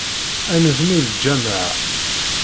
Ad nebnu lǧameε.